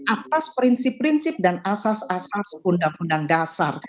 atas prinsip prinsip dan asas asas undang undang dasar